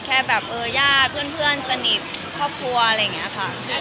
อย่างขนาดนั้นแค่ญาติเพื่อนสนิทครอบครัวอย่างเงี้ย